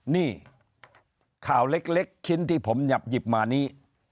นี่ข่าวเล็กชิ้นที่ผมหยับหยิบมานี้